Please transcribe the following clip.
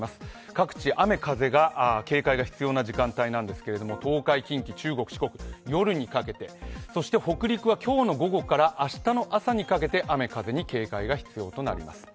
各地、雨・風、警戒が必要な時間帯なんですが東海、近畿、中国、四国は夜にかけて、そして北陸は今日の午後から明日の朝にかけて雨風に警戒が必要です。